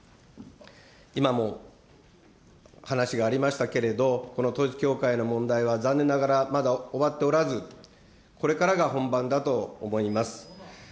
今も話がありましたけれど、この統一教会の問題は、残念ながらまだ終わっておらず、これからが本番だと思います。